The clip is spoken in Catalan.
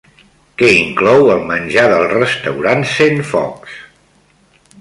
Què inclou el menjar del restaurant Centfocs?